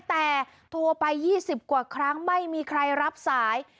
แต่โทรไป๒๐กว่าครั้งไม่มีใครรับสาย